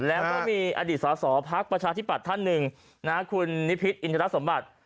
แล้วก็มีอดีตสอสอพักประชาธิปัตย์ท่านหนึ่งคุณนิพิษอินทรสมบัติ